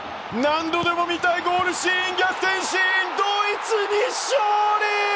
何度でも見たいゴールシーン逆転シーン、ドイツに勝利！